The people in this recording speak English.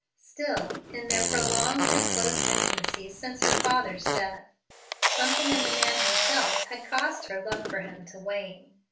Still, in their prolonged and close intimacy since her father's death, something in the man himself had caused her love for him to wane.